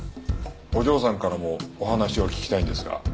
お嬢さんからもお話を聞きたいんですが。